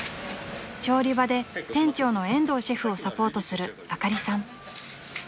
［調理場で店長の延藤シェフをサポートするあかりさん］